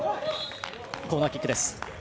コーナーキックです。